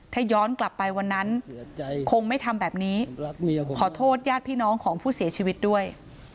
ถ้าย้อนกลับไปวันนั้นคงไม่ทำแบบนี้ขอโทษญาติพี่น้องของผู้เสียชีวิตด้วย